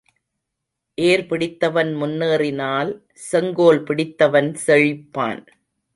ஏர் பிடித்தவன் முன்னேறினால் செங்கோல் பிடித்தவன் செழிப்பான்.